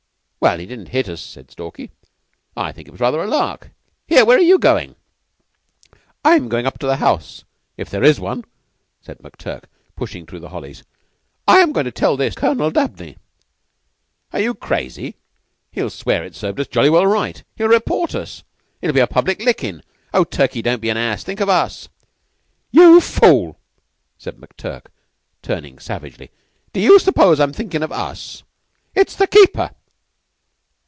"Well, he didn't hit us," said Stalky. "I think it was rather a lark. Here, where are you going?" "I'm going up to the house, if there is one," said McTurk, pushing through the hollies. "I am going to tell this Colonel Dabney." "Are you crazy? He'll swear it served us jolly well right. He'll report us. It'll be a public lickin'. Oh, Turkey, don't be an ass! Think of us!" "You fool!" said McTurk, turning savagely. "D'you suppose I'm thinkin' of us? It's the keeper."